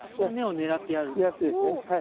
狙ってですねはい。